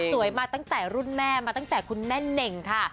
มาตั้งแต่รุ่นแม่มาตั้งแต่คุณแม่เน่งค่ะ